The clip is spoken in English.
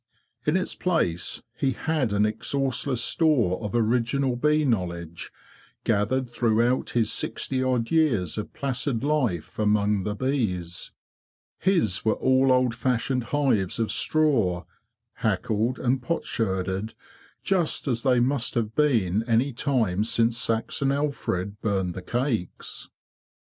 In its place he had an exhaustless store of original bee knowledge, gathered through out his sixty odd years of placid life among the bees. His were all old fashioned hives of straw, backled and potsherded just as they must have been any time since Saxon Alfred burned the cakes.